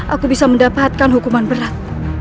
aku bisa mendapatkan hukuman berat